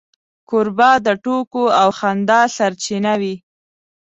کوربه د ټوکو او خندا سرچینه وي.